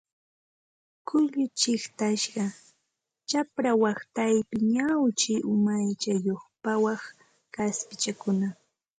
Kullu chiqtasqa, chapra waqtaypi ñawchi umachayuq pawaq kaspichakuna